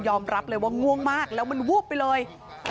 รับเลยว่าง่วงมากแล้วมันวูบไปเลย